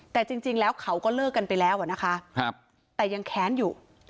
แต่จริงจริงแล้วเขาก็เลิกกันไปแล้วอ่ะนะคะครับแต่ยังแขนอยู่